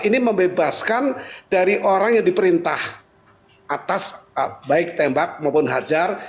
ini membebaskan dari orang yang diperintah atas baik tembak maupun hajar